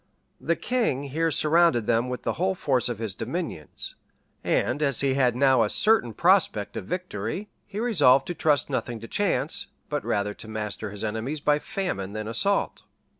The king here surrounded them with the whole force of his dominions; [*] and as he had now a certain prospect of victory, he resolved to trust nothing to chance, but rather to master his enemies by famine than assault.